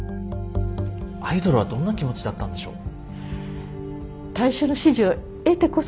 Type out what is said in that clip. アイドルはどんな気持ちだったんでしょう。